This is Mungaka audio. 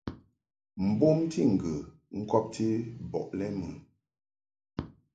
Bomti ŋgə ŋkɔbti bɔ lɛ mɨ.